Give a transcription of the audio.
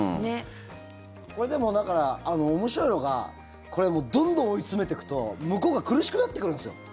でも、面白いのがこれ、どんどん追い詰めていくと向こうが苦しくなってくるんですよ。